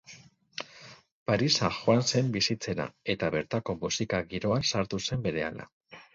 Parisa joan zen bizitzera, eta bertako musika-giroan sartu zen berehala.